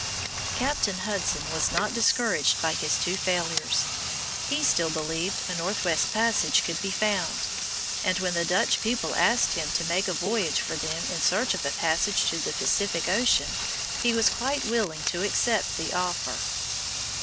Captain Hudson was not discouraged by his two failures. He still believed a northwest passage could be found; and when the Dutch people asked him to make a voyage for them in search of a passage to the Pacific Ocean, he was quite willing to accept the offer.